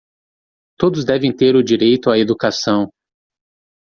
Todos devem ter o direito à educação.